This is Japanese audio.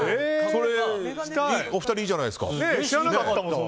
お二人、いいじゃないですか。